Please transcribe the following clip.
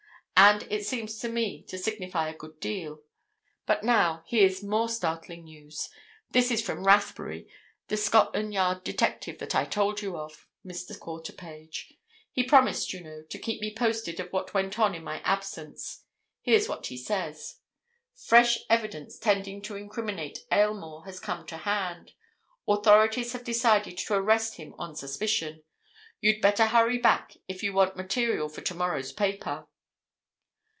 "And it seems to me to signify a good deal. But now here's more startling news. This is from Rathbury, the Scotland Yard detective that I told you of, Mr. Quarterpage—he promised, you know, to keep me posted in what went on in my absence. Here's what he says: "Fresh evidence tending to incriminate Aylmore has come to hand. Authorities have decided to arrest him on suspicion. You'd better hurry back if you want material for to morrow's paper."